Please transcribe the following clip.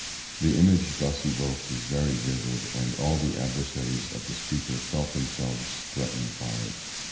The image thus evoked is very vivid, and all the adversaries of the speaker felt themselves threatened by it.